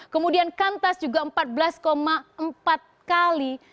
kemudian kantas juga empat belas empat kali